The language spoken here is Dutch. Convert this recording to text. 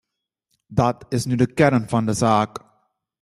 Dan nu de kern van de zaak.